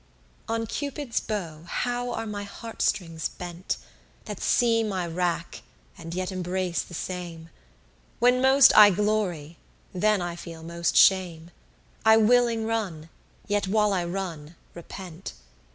19 On Cupid's bow how are my heartstrings bent, That see my wrack, and yet embrace the same? When most I glory, then I feel most shame: I willing run, yet while I run, repent.